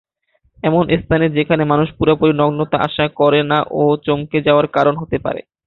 এমন স্থানে যেখানে মানুষ পুরোপুরি নগ্নতা আশা করে না ও চমকে যাওয়ার কারণ হতে পারে।